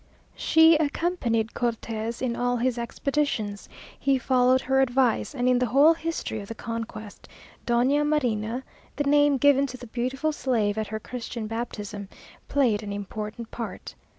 She accompanied Cortes in all his expeditions he followed her advice; and in the whole history of the conquest, Doña Marina (the name given to the beautiful slave at her Christian baptism) played an important part.